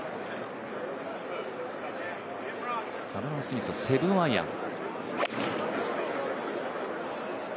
キャメロン・スミス、７アイアン。